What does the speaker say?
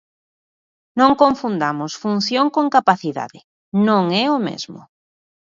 Non confundamos función con capacidade, non é o mesmo.